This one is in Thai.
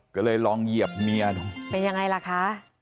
ก็เลยลองเหยียบเมียดูเป็นยังไงล่ะคะ